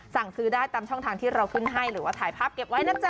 สั่งซื้อได้ตามช่องทางที่เราขึ้นให้หรือว่าถ่ายภาพเก็บไว้นะจ๊